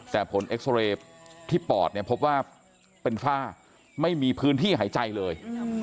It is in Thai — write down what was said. แต่ผลเอ็กซอเรย์ที่ปอดเนี่ยพบว่าเป็นฝ้าไม่มีพื้นที่หายใจเลย